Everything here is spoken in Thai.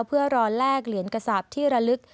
เพื่อรอนแลกเหรียญกษาปภิรามกิจที่ระลึก